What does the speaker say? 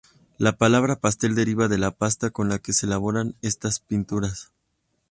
La palabra pastel deriva de la pasta con la que se elaboran estas pinturas.